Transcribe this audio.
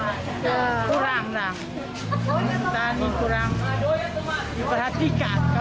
lalu kasih orang petani siksa